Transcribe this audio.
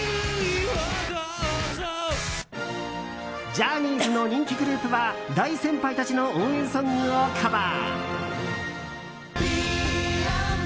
ジャニーズの人気グループは大先輩たちの応援ソングをカバー。